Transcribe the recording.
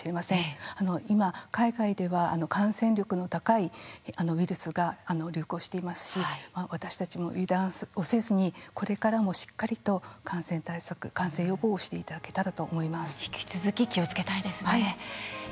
今海外では感染力の高いウイルスが流行していますし私たちも油断をせずにこれからもしっかりと感染対策感染予防していただけたらと思います。